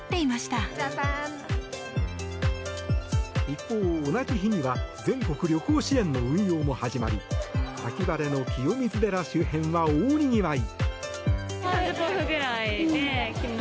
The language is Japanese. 一方、同じ日には全国旅行支援の運用も始まり秋晴れの清水寺周辺は大にぎわい。